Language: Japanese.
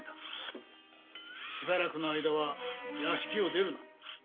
しばらくの間は屋敷を出るな。